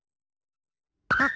あっ！